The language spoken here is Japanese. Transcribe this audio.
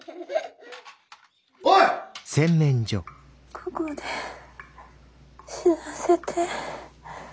ここで死なせて。